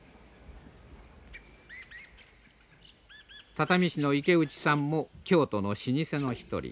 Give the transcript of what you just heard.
畳師の池内さんも京都の老舗の一人。